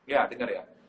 ya denger ya